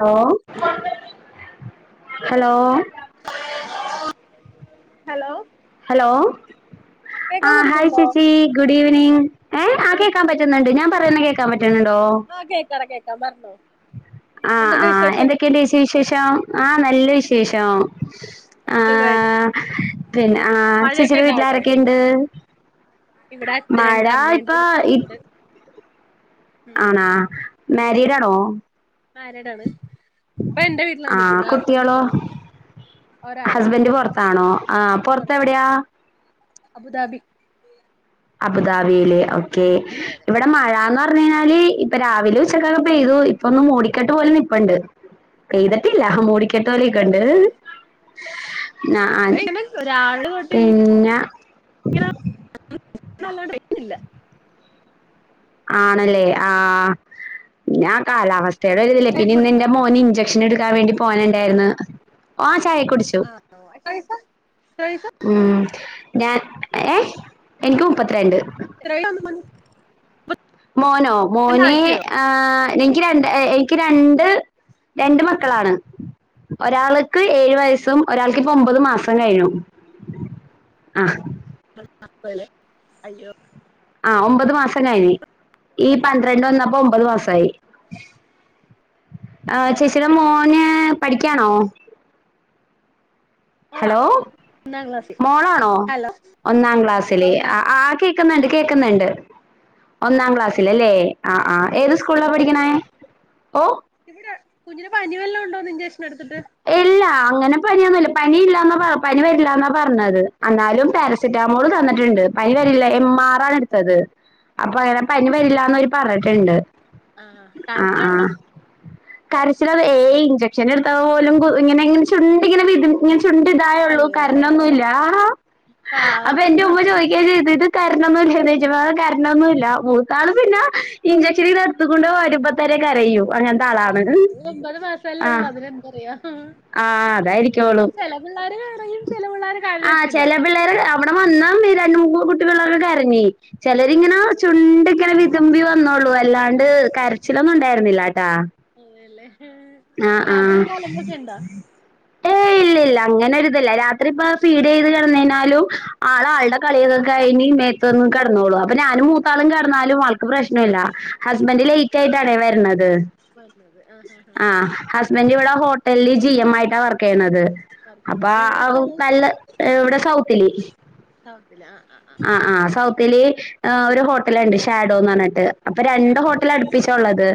Hello hello hello hello ആ കേക്കാൻ hi പറ്റുന്നുണ്ടോ ചേച്ചി ഗുഡ് ഈവനിങ് ഏ ആ കേൾക്കാൻ പറ്റുന്നുണ്ട് ഞാൻ പറയുന്ന കേ ആഹ കേക്കറ കേൾക്കാ മരണോ ആഹ ആഹ എന്തൊക്കെയ ദേശ വിശേഷം ആഹ നല്ല വിശേഷം സുഖായിട്ടിരി ആ പിന്നെ ആ മഴയൊക്കെ ചേച്ചിയുടെ ഇണ്ടോ വീട്ടിൽ അവിടെ ആാരൊക്കെുണ്ട് ഇവിടെ അച്ഛനുണ്ട് അമ്മയുണ്ട് ഇ- ഞാനുണ്ട് ആണാ മാരിീഡാണോ മരിഡ ആണ് ഇപ്പൊ എൻന്റെ വീട്ടില നിിക്കുന്ന ഹസ്ബൻഡ പുൊറത്താ ഹസ്ബന്ഡ് പുൊറത്താണോ ആഹ പുൊറത്ത് പുറത്താ എവിടെയാ പുറത്താ അബുദാബി അബുദാബിയിലെ ഓക്കെ അതെ അതെ ഇവിടെ മഴന്ന് പറഞ്ഞ കഴിഞ്ഞാല് ഇപ്പൊ രാവിലെ ഉച്ചക്കൊക്കെ പെയ്തു ഇപ്പൊന്നന്ന് മോടിക്കെട്ട് പോലെ നി ഇപ്പുണ്ട് പെയ്തിട്ടില്ല അ മൂടിക്കട്ട പോലെയൊക്കണ്ട് അതെല്ലേ ആ ഇവിടെ ഇങ്ങനെ ഒരാള് തൊട്ട് ഇങ്ങനെ പിന്നെ നല്ലില്ല ആണല്ലേ ആ ഞ ആ കാലാവസ്ഥ േടെ വതില്ലേ പിന്നെ ഇന്ന് എന്റെ മോന് ഇഞ്ചെക്ഷൻ എടുക്കാൻ വേണ്ടി പോൻ ഉണ്ടായിരുന്നു ഓ ചായെ കുടിച്ചു ക്കസ ഉം ഞാൻ ഏ എനിക്ക് മുപ്പത്തിരണ്ട് ഒ മ മോനോ മോനെ രണ്ടാഴ്ചയോ ആ എനിക്ക് രണ്ട് എനിക്ക് രണ്ട് രണ്ട് മക്കളാണ് ഒരാൾക്ക് ഏഴു വയസ്സും ഒരാൾക്ക് ഇപ്പൊ ഒമ്പത് മാസം കഴഞ്ഞു ആഹ അയ്യോ ആ ഒമ്പത് മാസം കഴിഞ്ഞ് ഈ പന്ത്രണ്ട് വന്നപ്പൊ ഒമ്പത് മാസമായി ആ ചേച്ചിയുടെ മോന് പഠിക്കാണോ മോളാ ഹലോ ഒന്നാം ക്ലാസ്സിൽ മോളാണോ ഹലോ ഒന്നാം മോള മോള ക്ലാസ്സില് ഒന്നാം ആ ആ കേക്കുന്നുണ്ട് കേക്കുന്നുണ്ട് ഒന്നാം ക്ലാ ക്ലാസ്സ്ല് ല്ലേ ആ ഏത് സ്കൂളില പഠിക്കണേ ആ ഓ ഇവിടെ കുഞ്ഞിന് പനി വല്ല ഉണ്ടോ നിന്റെ ഇല്ല അങ്ങനെ പനിയൊന്നുംല്ല പനി ഇല്ലാന്നാ പറ പനി വരില്ലന്നാ പറഞ്ഞത് എന്നാലും അറിയൂലല്ലോ പാരസെറ്റാമോൾ തന്നിട്ടുണ്ട് പനി വരില്ല എം ആർ ആണ് എടുത്തത് എം അപ്പൊ അങ്ങനെ പനി വരില്ലന്നോര് പറഞ്ഞിട്ടുണ്ട് ആ ആ ആ കരച്ചിലുണ്ടോ കരച്ചിലത് ഏയ് ഇഞ്ചെക്ഷൻ എടുത്താൽ പോലും ഇങ്ങനെങ്ങനെ ചുണ്ട് ഇങ്ങനെ വിതു ഇങ്ങനെ ചുണ്ട ഇതായുള്ളൂ അയ്യോ കാരഞ്ഞൊന്നൂല്ല അപ്പൊ പാവം എന്റെ ഉമ്മ ചോദിക്ക ചെയ്തിട്ട് കരഞ്ഞൊന്നുല്ല നിജമാ കരഞ്ഞാന്നുല്ല മൂത്താള് പിന്നെ ഇഞ്ചക്ഷ ഇച്ചരി നടത്തിക്കൊണ്ട് വരുമ്പോ തന്നെ കരയൂ അങ്ങനത്തെ ആളാണ് ഒമ്പത് മാസല്ല ആ ഒള്ളു അതിനൻ പറയാ ആ ആ അതായിരിക്കോളും അതാ ചെല പിള്ളേര് കരയും ചെല പിള്ളേര് ആ കരയത്തില്ല ചെല പിള്ളേര് അവിടെ വന്നാ രണ്ട് മൂന്ന് കുട്ടി കളെ ക്കെ കരഞ്ഞ് ചിലരിങ്ങനെ ആഹ് ചുണ്ടങ്ങനെ വിതുമ്പി വന്നോള്ളൂ വിതുമ്പിയല് അല്ലാണ്ട് കരച്ചിലൊന്നും ഉണ്ടായിരുന്നില്ല [unintelligible] അല്ലേ ആ ആ ഇല്ല ഇല്ല അങ്ങനെ ഒരുരിതല്ല രാത്രി ഇപ്പ ഫീഡ് ചെയ്ത് കിടന്നാലും ആള ആളുടെ കളികൾ കഴിഞ്ഞ് ന്റെ ട്ത്തന്ന് കടന്നോളൂ അപ്പൊ ഞാനും മൂത്താലും കടന്നാലും ആൾക്ക് പ്രശ്നം ഇല്ല ഹസ്ബൻഡ് ആഹ് ലൈറ്റ്ആയിട്ടാണേ വര്ണത് വന്നത് ആഹ് ആഹ് ആ ആഹ് ഹസ്ബൻഡ് ഇവിടെ ഹോ ല്ലി ജി എം ആയിട്ടാണ് വർക്ക് ചെയ്യുന്നത് വർക്ക് അപ്പ ചെയ്യണത് എവിടാ സ്ഥലം നല്ലടെ കൗത്തിലി ആ ആ ആ സൗത്തില് ഒരു ഹോട്ടല് ഉണ്ട് ഷാഡോന്ന് പറഞ്ഞിട്ട് അപ്പൊ രണ്ട് ആഹ് ആഹ് ഹോട്ടൽ അടുപ്പിച്ചുള്ളത്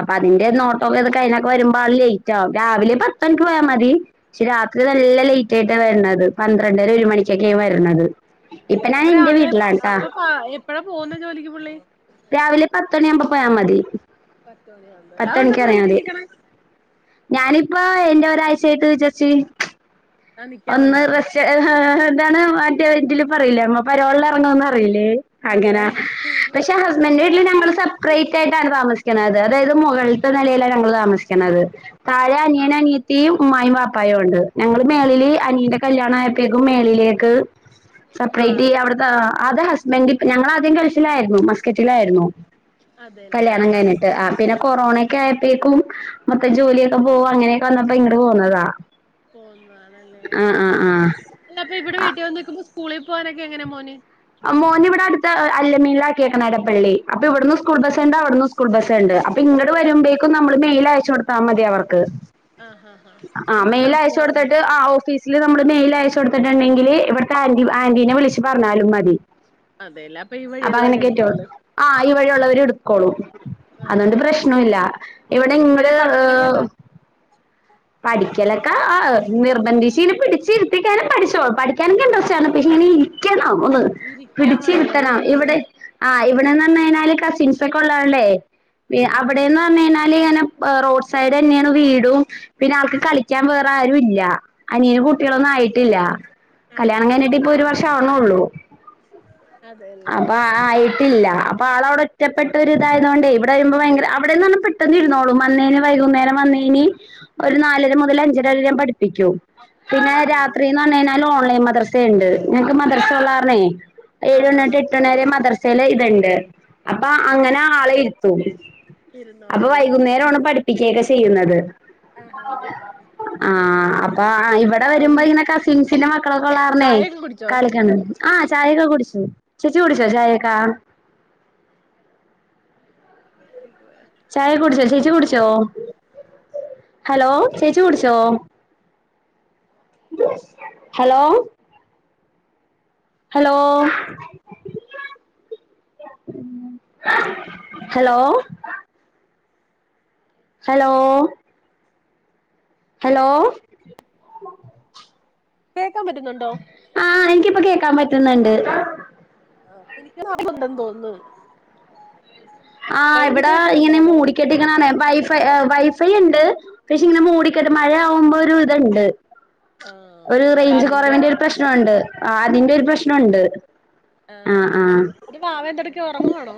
അപ്പൊ ആഹ് അതിന്റെ ആഹ് നോട്ടോെക്ക കഴിഞ്ഞ് വരുമ്പോ ലേറ്റ് ആകും രാവിലെ പത്തണിക്ക് പോയാ മതി പക്ഷെ രാത്രി നല്ല ലേറ്റ് ആയി ട്ടാ വരുന്നത് പന്ത്രണ്ടര ഒരു മണിക്കൊക്കെയ വരുന്നത് ഉം അപ്പ രാവിലെ അപ്പൊ എപ്പഴാ പോകുന്ന ജോലിക്ക് പുള്ളി രാവിലെ പത്തണിയ ആവുമ്പോ പോയാ മതി പത്ത് ലാന് മണിക്ക് എന്തപ്പ വീട്ടിൽ നിക്കണ ഇപ്പ എന്റെ ഒരാഴ്ചയായിട്ട് ചച്ചി താൻ നിക്കാൻ ഒന്ന് വന്നാണോ റസ് എതാണ മറ്റേ റ്റില് പറില്ല അമ്മ പരോൾ ഇറങ്ങൂന്ന അറിയില്ലേ അതെ അങ്ങനെ പക്ഷേ ഹസ്ബൻഡ എല്ലടാ വീട്ടിൽ അപ്പൊ ഞങ്ങൾ ഇവിടന്ന് സെപ്പറേറ്റ് ആയിട്ടാണ് താമസിക്കുന്നത് അതായത് മുകളിലത്തെ നിലയിലാണ് ഞങ്ങള് താമസിക്കുന്നത് താഴെ അനിയനും ആഹ് അതെ അനിയത്തിയും ഉമ്മായും വാപ്പായും ഉണ്ട് ഞങ്ങൾ മേളിൽ ആഹ് അനിയന്റെ കല്യാണ ആയ പ്പോയേക്കും മേളിലേക്ക് സെപ്പറേറ്റ് മാറി ചെയ്യ് അവിടത്തെ ആത് ഹസ്ബന്റെ ഇപ്പ ഞങ്ങള് ആദ്യം ഗൾഫിലായിരുന്നു മസ്കറ്റിലായിരുന്നു അതെല്ലേ കല്ല്യാണം ആഹ് കഴിഞ്ഞിട്ട് ആഹ് പിന്നെ കൊറോണെക്ക ആയപ്പേക്കും മൊത്തം ജോലിയൊക്കെ പോകും അങ്ങനെക്കെ വന്നപ്പോ ഇങ്ങട്ട് പോന്നതാ പോന്നതാണല്ലേ ആ ആഹാ ആഹ് ആഹ് ആ ആ ന്ന പ്പ ഇവിടെ വീട്ടി വന്നിക്കുമ്പോ സ് കൂളി പോകാനൊക്കെങ്ങന മോന് മോന് ഇവിടെ അടുത്ത അല്ലമീനില ആക്കിയക്കണ എടപ്പള്ളി അപ്പൊ ഇവിടുന്ന് സ്കൂൾ ബസ്സുണ്ട് അവിടുന്ന് സ് കൂൾ ബസ്സ് ഉണ്ട് അപ്പൊ ഇങ്ങട് ആഹ് വരുമ്പേക്കും നമ്മള് മെയിൽ അയച്ചു കൊടുത്താ മതി അവർക്ക് ആഹ് ആഹ് ആഹ് ഇന്ന മെയിൽ സ്ഥലത്ത് അയച്ച് ഞാൻ കൊടുത്തിട്ട് ആ വന്നിരുന്നല്ലോ ഓഫീസില് നമ്മ മെയിൽയച്ച് കൊടുത്തിട്ടുണ്ടെങ്കില് ഇവിടുത്തെ ആന്റി ആന്റിനെ വിളിച്ച് പറഞ്ഞാലും മതി അതെയല്ല അപ്പൊ ഈ വഴിയുള്ളവര്ടുക്കുവല്ലോ കൈ വഴി ഉള്ളവര എടുക്കോളൂ ആഹ് അതുകൊണ്ട് കൊഴപ്പ പ്രശ്ന ഇല്ല ഇവിടെ ഇങ്ങട് എങ്ങനെ പഠിക്കണൊക്കെ ഏഹ് ഇണ്ടോ പഠിക്കലക്ക ആ നിർബന്ധിച്ച് ഇങ്ങന പിടിച്ചിരുത്തിക്കാലും പഠിച്ചോളും പടി ക്കാനൊക്കെ യുണ്ട് പക്ഷേ ഇരിക്കണം ഒന്ന് ഇരിക്കാൻ പിടിച്ച് മടിയാണ് ഇരുത്തണം ഇവിടെ ആ ഇവിടെന്ന് പറഞ്ഞ് കയ്ഞ്ഞാല് കസിൻസ് ഒക്കെ ഒള്ളകൊണ്ടേ പി ആഹ് അവിടെന്ന് പറഞ് കഴിഞ്ഞാല് ഇങ്ങന റോഡ് സൈഡ് തന്നെയാണ് വീടും പിന്നെ ആൾക്ക് കളിക്കാൻ വേറെ ആരു ഇല്ല അനിയന് ആഹ് ആഹ് കുട്ടികളൊന്നും ആയിട്ടില്ല ആഹ് ആഹ് കല്യാണം ആഹ് കഴിഞ്ഞിട്ട് ആഹ് ആഹ് ഇപ്പൊ ഒരു വർഷം ആവണൊള്ളൂ അതെല്ലേ അപ്പൊ ആ ആയിട്ടില്ല അപ്പ ആള് അവിടെ ഒറ്റപ്പെട്ട ഒരു ഇതായതുകൊണ്ട് ഇവിടെ വരുമ്പോ ഭയഗര അവിടെന്ന് പെട്ടെന്നിരുന്നോളൂ മണ്ണിന് വൈകുന്നേരം ആ നിനി [unintelligible] ഒരു നാലര മുതൽ അഞ്ചര വരെഞാൻ പഠിപ്പിക്കൂ പിന്നെ അതെല്ലേ രാത്രി എന്ന് പറഞ് കിയ്ഞ്ഞാല് ഓൺ ലൈൻ മദർസെ ഇണ്ട് ഞക്ക് മദർസെള്ള ആഹ് കാരണേ ഏഴ് മണി ആഹ് ആഹ് തൊട്ട് എട്ട് ആഹ് മണിവരെ മദർസ് ചില ഇതുണ്ട് അപ്പൊ അങ്ങനെ ആളെ ഇരുത്തു ഇരുന്നോളൂ അപ്പൊ അല്ലേ വൈകുന്നേരോണ് പഠിപ്പിക്കേക്ക ചെയ്യുന്നത് ആഹഹ് ആഹഹ് ആഹ് ആഹ് ആഹ് അപ്പൊ അപ്പ ഇവിടെ വരുമ്പോ ഇങ്ങനെ കസിൻസിന്റെ മക്കളൊക്കെ ഒള്ളാരണേ ചായയൊക്കെ കുടിച്ചോ കളിക്കണ് ആ ആ ചായെക്ക കുടിച്ച് ചേച്ചി കുടിച്ചോ ചായെക്ക ചായ കുടിച്ചോ ചേച്ചി കുടിച്ചോ ഹലോ ഹലോ ചേച്ചി കുടിച്ചോ hello hello [unintelligible] hello hello hello കേക്കാൻ പറ്റുന്നുണ്ടോ ആഹ് എനിക്കിപ്പ കേക്കാൻ പറ്റുന്നുണ്ട് ആഹ് എനിക്ക് [unintelligible] ണ്ടെന്ന് തോന്നന്ന് ആഹ് ഇവിട ഇങ്ങനെ മൂടിക്കെട്ടിനിക്കണണെ വൈഫൈ വൈ ഫൈ യുണ്ട് പക്ഷെ ഇങ്ങനെ മൂടികെട്ട് മഴയാകുമ്പോ ഒരു ഇതുണ്ട് ആഹ് ഒരു റേഞ്ച് കുറവിന്റെ ഒരു പ്രശ്നോണ്ട് അത ആഹ് ഹ് ആഹ് ആ ആഹ് ആ പിന്നെ വാവെന്തെടുക്കെ ഒറങ്ങുവാണോ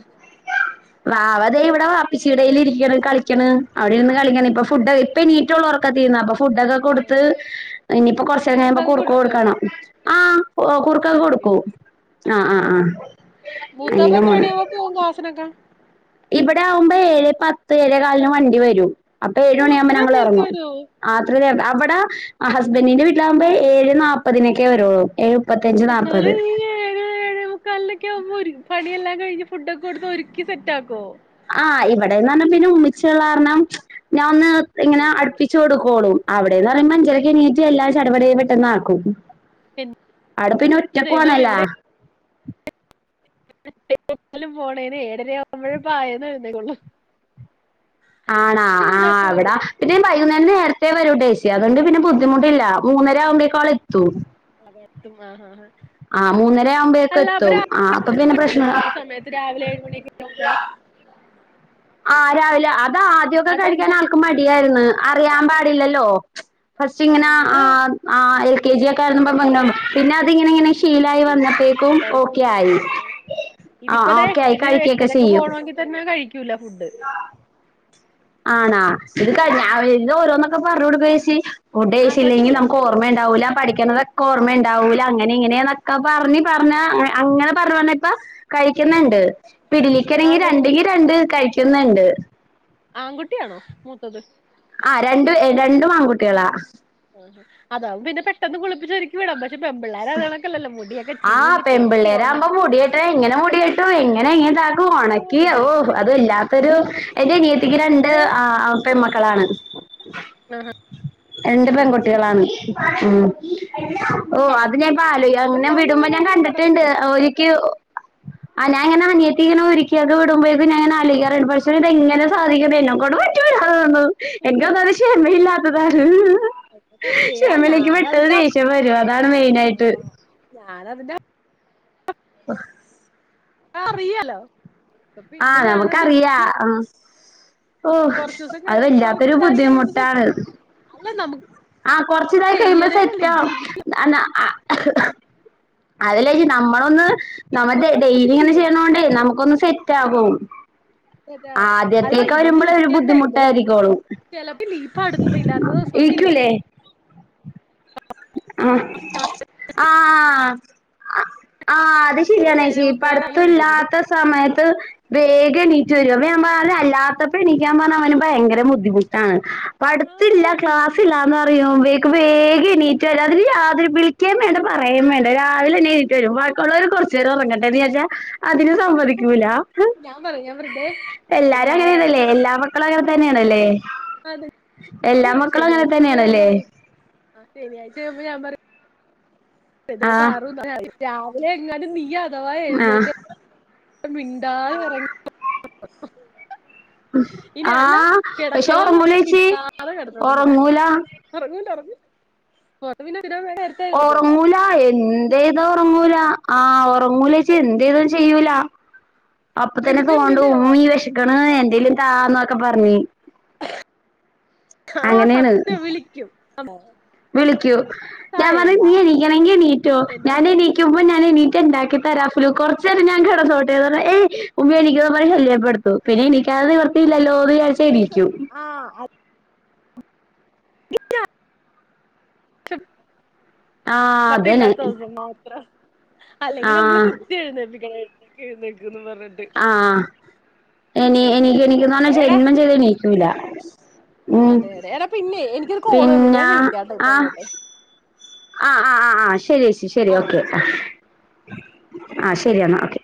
വാവതെ ഇവിടെ വാപ്പച്ചിടെൽ ഇരിക്കണ് കളിക്കണ് അവിടെ നിന്ന് കളിക്ക ഇപ്പ ആഹ് ഫുഡ് ഇപ്പം നീറ്റുള്ളൂ ഓർക്കതീന്ന് അപ്പൊ ഫ് ഫുഡൊക്കെ കൊടുത്ത് ആഹ് ഇനിയിപ്പോ കൊറച്ചേരം കഴിയുമ്പൊ കുറുക്കങ്ങ് കുടിക്കുവോ കുറുക്ക്കൊടുക്കണം ആഹ് ഓഹ് കുറ്ക്കക്ക കുടിക്കും കൊടുക്കൂ ആ ആഹ് ആ ആഹ് ആ ആഹ് മൂത്തപ്പ എത്രണിയാകുമ്പോ പോകും ക്ലാസിനൊക്കെ ഇവിട ആകുമ്പേ ഏഴ് പത്ത് ഏഴെ കാലിന് വണ്ടി വരും അപ്പൊ ഓഹ് ഏഴുമണിയാകുമ്പ അത്രേം നേരത്തെ ഞങ്ങൾറങ്ങും വരുവോ ആത്രത് ആ അവിടെ ഹസ്ബൻഡിന്റെ വീട്ടിലാകുമ്പോ ഏഴ് നാപ്പതിനൊക്കെ വരുള്ളൂ ഏഴ് മുപ്പത്തഞ്ച് നാപ്പത് എന്നാലും ഈ ഏഴ്‌ ഏഴെ മുക്കാലിനൊക്കെ ആവുമ്പോ രു പണിയെല്ലാം കഴിഞ് ഫുഡ്ക്കെ കൊടുത്ത് ഒരുക്കി സെറ്റാക്കുവോ ആഹ് ഇവിടെന്ന് പറഞ്ഞാ പിന്നെ ഉമിച്ച ഉള്ള കാരണം ഞാൻ ഒന്ന് ഇങ്ങനെ ചെയ്തോളും അടുപ്പിച്ചു കൊടുക്കോളും അവിടെന്ന് പറയുമ്പോ അഞ്ചരൊക്കെ എണീറ്റ് എല്ലാം ചടപടയെന്ന് പെട്ടന്ന് ആക്കും അവിട പിന്നെ എന്റെ ഒറ്റക്കവാണല്ലാ എവിടെക്കിലും പോണേന് ഏഴര ആവുമ്പഴെ പായന്ന് എഴുന്നേക്കുള്ളു ആണാ ആഹ് അവിട പിന്നെ നേരത്തെ വരും ഉദേശി അതുകൊണ്ട് പിന്നെ ബുദ്ധിമുട്ടില്ല മൂന്നര ആകമ്പയത്തെക്കും അവൾ എത്തും അതെത്തും ഉമ്മ ഹ ഹ ആഹ് മൂന്നര ആവുമ്പഴേക്കും എത്തും ആഹ് അപ്പൊ പിന്നെ പ്രശ്ന [unintelligible] [inaudible] ആഹ് രാവിലെ അത് ആത്യക്കെ ആ ടൈം കഴിക്കാൻ ആൾക്ക് മടിയായ്ര്ന്ന് അറിയാൻ പാടില്ലല്ലോ ഫസ്റ്റ് ഇങ്ങനെ ആഹ് ആഹ് എൽ കെ ജി ഒക്കെ ആയിരുന്നപ്പം പിന്നം പിന്നഅതിങ്ങനിങ്ങനെ ശീലായി വന്ന് അപ്പഴേക്കും ശീലായി ഓക്കെ ശീലായി ആയി ആ ആ. ആഹ് ഇതിപ്പോ ദേ ഓക്കെ ആയി എട്ടിന് കഴിക്കൊക്കെ എട്ടരക്ക്‌ പോണോങ്കിതന്നെ കഴിക്കൂല ഫുഡ് ന്നാ ആണാ ഇത് പ്പ ഞാ എന്നോരോന്നൊക്കെ പറഞൊടുക്ക ചേച്ചി ഫുഡ്‌ കയ്ഷില്ലെങ്കി ആങ്കൊച്ചല്ലേ ന്നമുക്കൊർമെഇണ്ടാവൂല്ല പഠിക്ക്‌ന്നതൊക്കോർമ ഇണ്ടാവൂല്ല അങ്ങനെയിങ്ങനെയെന്നൊക്ക പറഞ്ഞ് പറഞ്ഞ അങ്ങനെ പറഞ്പറഞ്ഞിപ്പ കഴിക്ക്‌ന്ന്ണ്ട് ഇപഇടിലിക്കേണങ്ങി ആങ്കൊ രണ്ടെങ്കി രണ്ട് കഴിക്കുന്നുണ്ട് ആൺകുട്ടിയാണോ മൂത്തത് ആഹ് രണ്ടു രണ്ടും ആൺകുട്ടികളാ അതാവും പിന്നെ പെട്ടെന്ന് കുളിപ്പിച്ചൊരുക്കി വിടാം പ- ആഹ് തെറ്റി പെമ്പിള്ളേരാവുമ്പോ ഉണക്കി മുടി കെട്ട് എങ്ങനെമുടികെട്ടും എങ്ങനെ ഇങ്ങനെ ഇതാക്കും അയ്യോ, ഒണക്കി എന്റെ ഓഹ് ദൈവമേ. അതെല്ലാത്തൊരു എന്റെ അനിയത്തിക്ക്‌ ഞാന് രണ്ട് ആ പെൺമക്ക ക്കളാണ് ആ ഹാ രണ്ട് പെൺകുട്ടികളാണ് ഉം ഓ പ- അത് ഞാൻ ഇപ്പ കൊണ്ട് ആലോയ്ക്കാറുണ്ട് ഞാൻ വിടുമ്പ പോവാന്നുള്ള ഞാൻ ഭയങ്കര പടല കണ്ടിട്ട്ണ്ട് ഓരുക്കി ഒ ആ ഞാൻ ഇങ്ങനെ അനിയത്തി ഇങ്ങനെ ഒരുക്കിഒക്കെ വിടുമ്പഴേക്കും ഞാൻ ഇങ്ങനെ ആലോയ്ക്കാറ്ണ്ട് പക്ഷേ ഇതെങ്ങനെ സാധിക്കണ് എന്നെ കൊണ്ട് പറ്റു ല്ലാ അതോന്നും എനിക്ക്ഒന്നാമത് ക്ഷമയില്ലാത്തതാണ് സത്യ ശെമയില്ല ഞാനതിന്റെ പെട്ടന്ന്‌ ദേഷ്യം വരും അതാണ് മെയ്നായിട്ട് അത് അതിന്റ- വഹ് അറിയ്യാലോ ആ ന്നമുക്കറിയാം ഓ കൊറച്ച് ദിവസം അത് വല്ലാത്തൊരു കൊറച്ചായി കഴിയുമ്പോ ബുദ്ധിമുട്ടാണ് സെറ്റാവും അല്ല നമുക്ക് ആ കൊറച്ച്തായികഴിയുമ്പോ ചെയ്യണേനല്ല ഇത് സെറ്റാവും ഇരുന്ന് അല്ല ആ അതലച്ചി നമ്മളൊന്ന് നമ്മ ഡെയ്ലി ഇങ്ങനെ ചെയ്യാ ചെയ്യണോണ്ടെ ന്നമക്കൊന്ന് സെറ്റാകും സെറ്റാവും അല്ല ആദ്യത്തേക്ക്‌ വരുമ്പളെ ഒരു ബുദ്ധിമുട്ടായിരിക്കോള്ളൂ ചെലപ്പില്ലേ ഈ പട്ത്തം ഇല്ലാത്ത ദിവസൊക്കില്ലേ ആഹ് ആ ആഹ് അത് ശരിയാണെച്ചി ഏഴേ മുക്കാലായാലും പടുത്തം എഴുന്നേക്കില്ലേ ഇല്ലാത്ത സമയ ത്ത് വേഗം എണീറ്റ് വരും അപ്പ ഞാൻ പ അല്ലാത്തപ്പ എണീക്കാൻ പറഞ്ഞാ അവന് ഭയങ്കര ബുദ്ധിമുട്ടാണ് പട്ത്തില്ല ക്ലാസ്സില്ലാന്നർ റിയുപേക്ക് വേഗം എണീറ്റ് വരും അതിന് യാതൊരു വിളിക്കേം വേണ്ട പറയെം വേണ്ട രാവിലെന്നെ എണീ റ്റ് രും ബാക്കിഉള്ളോര് കൊറച്ചേരം ഉറങ്ങട്ടേന്ന് വിചാരിച്ചാ അതിന് സമ്മതിക്കൂല ഞാൻ പറയും ഞാൻ വെറുതെ എല്ലാരും അങ്ങനെനെല്ലേ ഞായറാഴ്ചയാണ് എല്ലാ മക്കളും അങ്ങന തന്നെയാണല്ലേ അതെ എല്ലാ മക്കളും അങ്ങനെ ശനിയാഴ്ചയാകുമ്പം ഞാൻ തന്നെയാണല്ലേ പറയും ശനിയാഴ്ചയാകുമ്പോ ഞാൻ പറയും അതേ ആഹ് പാറു രാവിലെ എങ്ങാനും നീ അഥവാ ആഹ് എഴുന്നേറ്റാ മിണ്ടാതെ ഉറങ്ങി ആഹ പഷെ കിടക്കണോന്ന് ഒറങ്ങൂലേച്ചി ഇല്ലാതെ ഓറങ്ങൂല കൊറെ പിന്നെ പിന്നെ നേരത്തെ എഴുന്നേൽക്കുവല്ലോ ഉറങ്ങൂല എന്തെയ്താ ഒറങ്ങൂല ആ ഒർ ഒർങ്ങൂലേച്ചി എന്തെയ്തും ചെയ്യൂല അപ്പതന്നെ എന്നിട്ട് തോണ്ടും എന്തിനാവോ ഉമ്മീ വെഷക്ക്‌ണ് എന്തേലും താന്നൊക്കെ പറഞ് [inaudible] ആ സത്യം വിളിക്കും വിളിക്കും താ ഞാൻ പറയും എന്താ നീ എണീക്കണങ്കി എണീറ്റോ എന്താ ഞാനെണീക്കുമ്പോ ഞാ ഞാനെനീറ്റ ഇണ്ടാക്കിതരാം അപലു കൊറചേരം ഞാൻ കെടന്നോട്ടെന്നറഞ്ഞ ഏയ് ഉമ്മി എണീക്ക്ന്നർഞ് ശല്യപ്പെടുത്തും പി എനിക്കതത് നിവൃത്തിയില്ലല്ലോചഴച്ചായിരിക്കും ആ ആഹ് അതന്നെ വട്ടല്ലാത്ത അസ മാത്ര അല്ലെങ്കിൽ നമ്മള് ആഹ് കുത്തി എഴുന്നേപ്പ എഴുന്നേക്ക ആഹ ഇനി അയ്യോ എനിക്ക് ഒന്നും എനിക്കന്ന് പറയണ്ട പറഞ്ഞ എടാ ജന്മം ചെയ്ത നീക്കൂില്ല ഉം അതെ അതെ എടാ പിന്നെ എനിക്കൊരു കോള് പിന്ന വന്നിണ്ട് ഞാൻ വിളിക്കാട്ടോ ഇപ്പൊ ആഹ അങ്ങോട്ട് ആ ആ ആ ആ് ശരിേച്ചി ശരി ആ ഓക്കെ ശരിയെടാ ആഹ ശരിയെന്നാ ഓക്കെ